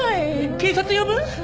警察呼ぶ？